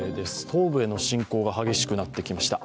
東部への侵攻が激しくなってきました。